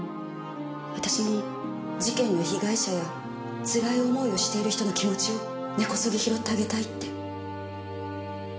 私も事件の被害者や辛い思いをしている人の気持ちを根こそぎ拾ってあげたいって。